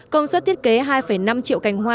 công suất thiết kế hai năm triệu cành hoa